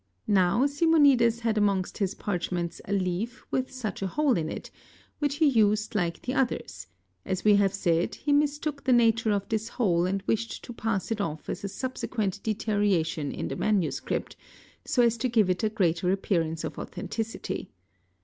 Now Simonides had amongst — his parchments a leaf with such a hole in it, which he used like the ~ others; as we have said, he mistook the nature of this hole and wished to pass it off as a subsequent deterioration in the manuscript, so as to give it © a greater appearance of authenticity.